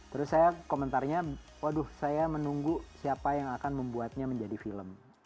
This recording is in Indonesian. terus saya komentarnya waduh saya menunggu siapa yang akan membuatnya menjadi film